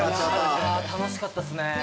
楽しかったっすね。